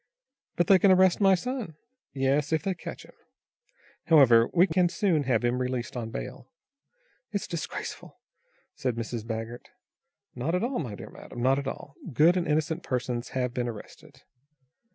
"But they can arrest my son." "Yes if they catch him. However, we can soon have him released on bail." "It's disgraceful," said Mrs. Baggert. "Not at all, my dear madam, not at all. Good and innocent persons have been arrested."